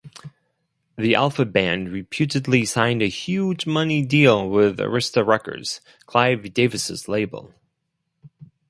The Alpha Band reputedly signed a huge-money deal with Arista Records, Clive Davis's label.